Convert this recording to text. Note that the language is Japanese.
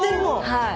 はい。